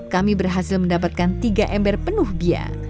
kami berhasil mendapatkan tiga ember penuh bia